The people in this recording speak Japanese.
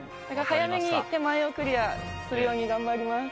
早めに手前をクリアするように頑張ります